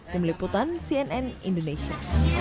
tim liputan cnn indonesia